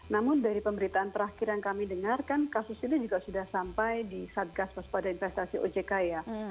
namun dari pemberitaan terakhir yang kami dengar kan kasus ini juga sudah sampai di satgas waspada investasi ojk ya